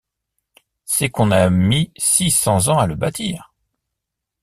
C’est qu’on a mis six cents ans à le bâtir.